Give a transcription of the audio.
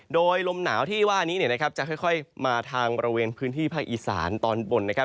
โดยลมหนาวที่ว่านี้เนี่ยนะครับจะค่อยมาทางบริเวณพื้นที่ภาคอีสานตอนบนนะครับ